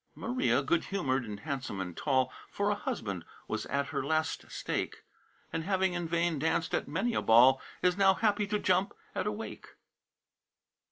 "Maria, good humored and handsome and tall, For a husband was at her last stake; And having in vain danced at many a ball, Is now happy to jump at a Wake."